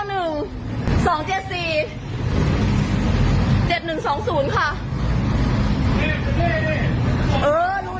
นี่นี่นี่